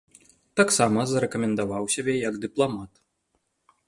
Таксама зарэкамендаваў сябе як дыпламат.